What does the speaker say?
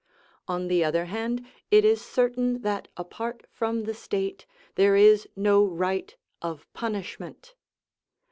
On the other hand, it is certain that apart from the state there is no right of punishment.